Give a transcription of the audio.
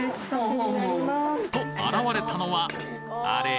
と現れたのはあれ？